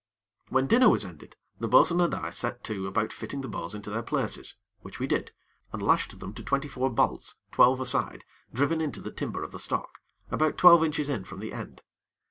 When dinner was ended, the bo'sun and I set to about fitting the bows into their places, which we did, and lashed them to twenty four bolts, twelve a side, driven into the timber of the stock, about twelve inches in from the end.